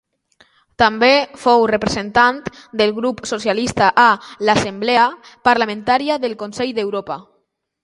També fou Representant del grup socialista a l'Assemblea parlamentària del Consell d'Europa.